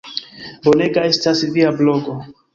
Bonega estas via blogo.